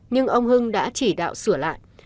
nhưng ông hưng đã chỉ đạo sửa lại